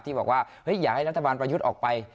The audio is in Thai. ที่บอกว่าอยากให้รัฐบาลประยุทธ์ออกไป